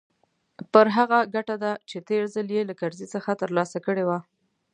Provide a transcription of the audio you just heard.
پر هغه ګټه ده چې تېر ځل يې له کرزي څخه ترلاسه کړې وه.